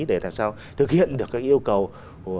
để làm sao thực hiện được các yêu cầu